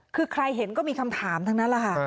คือใครเห็นก็มีคำถามทั้งนั้นแหละค่ะ